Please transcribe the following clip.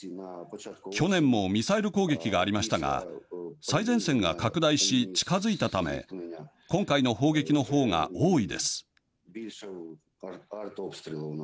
去年もミサイル攻撃がありましたが最前線が拡大し、近づいたため今回の砲撃の方が多いです。